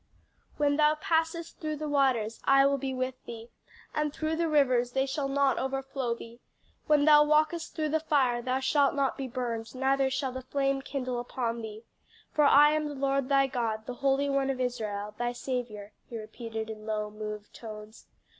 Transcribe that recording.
"'When thou passest through the waters, I will be with thee; and through the rivers, they shall not overflow thee; when thou walkest through the fire, thou shalt not be burned, neither shall the flame kindle upon thee. For I am the Lord thy God, the Holy One of Israel, thy Saviour,'" he repeated in low, moved tones.